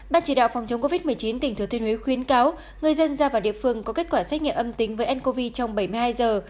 ban chỉ đạo phòng chống covid một mươi chín tỉnh thừa thiên huế khuyến cáo người dân ra vào địa phương có kết quả xét nghiệm âm tính với ncov trong bảy mươi hai giờ